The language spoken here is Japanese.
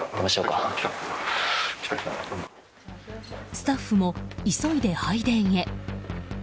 スタッフも急いで拝殿へ。